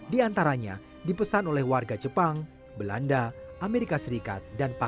di antaranya dipesan oleh warga jepang belanda amerika serikat dan papua